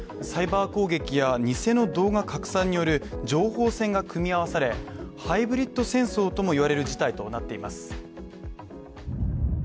サイバー攻撃や偽の動画拡散による情報戦が組み合わされ、ハイブリッド戦争ともいわれる事態となっています。